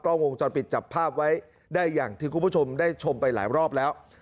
วงจรปิดจับภาพไว้ได้อย่างที่คุณผู้ชมได้ชมไปหลายรอบแล้ว